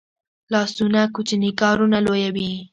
لاسونه کوچني کارونه لویوي